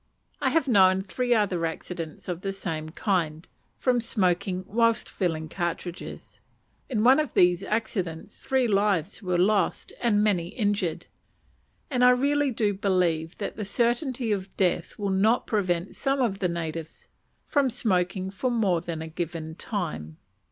I have known three other accidents of the same kind, from smoking whilst filling cartridges. In one of these accidents three lives were lost, and many injured; and I really do believe that the certainty of death will not prevent some of the natives from smoking for more than a given time.